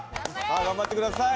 頑張って下さい！